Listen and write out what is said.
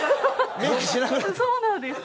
そうなんです。